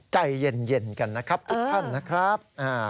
ใจเย็นกันนะครับทุกท่านนะครับ